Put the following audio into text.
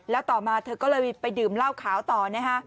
แล้วต่อมาเธอก็เลยไปดื่มเหล้าขาวต่อนะฮะ